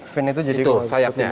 fin itu jadi sayapnya